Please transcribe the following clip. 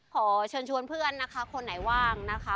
ขอเชิญชวนเพื่อนนะคะคนไหนว่างนะคะ